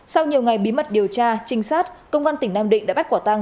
sau nhiều ngày bí mật điều tra trinh sát công an tỉnh nam định đã bắt quả tăng